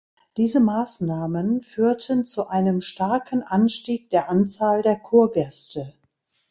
Diese Maßnahmen führten zu einem starken Anstieg der Anzahl der Kurgäste.